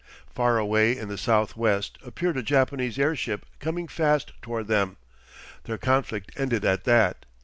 Far away in the southwest appeared a Japanese airship coming fast toward them. Their conflict ended at that.